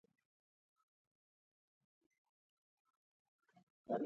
او همدارنګه چیرته غواړې ولاړ شې.